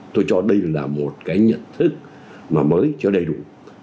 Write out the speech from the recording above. tôi cho đây là một cái nhận thức mà mới cho đầy đủ